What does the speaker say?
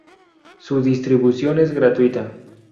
Su distribución es gratuita.